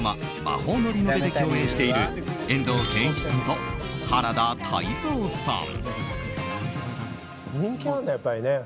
「魔法のリノベ」で共演している遠藤憲一さんと原田泰造さん。